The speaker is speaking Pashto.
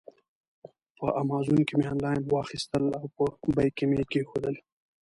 په امازان کې مې آنلاین واخیستل او په بیک کې مې کېښودل.